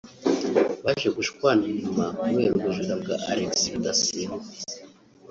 baje gushwana nyuma kubera ubujura bwa Alexis Rudasingwa